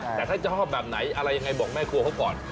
แต่ถ้าจะชอบแบบไหนอะไรยังไงบอกแม่ครัวเขาก่อน